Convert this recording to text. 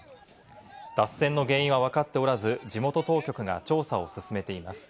脱線の原因はわかっておらず、地元当局が調査を進めています。